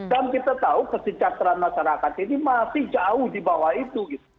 dan kita tahu kesejahteraan masyarakat ini masih jauh dibawah itu